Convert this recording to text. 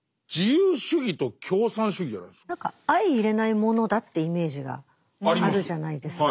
だけど今回もう何か相いれないものだってイメージがあるじゃないですか。